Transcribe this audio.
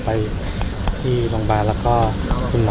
ภาษาสนิทยาลัยสุดท้าย